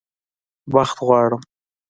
بخت غواړم